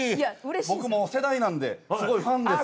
僕もう世代なんですごいファンです。